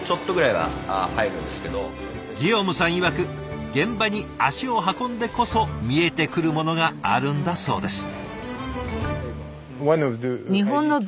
いわく現場に足を運んでこそ見えてくるものがあるんだそうです。